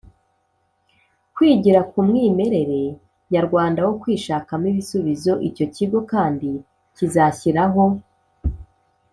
kwigira ku mwimerere nyarwanda wo kwishakamo ibisubizo Icyo kigo kandi kizashyiraho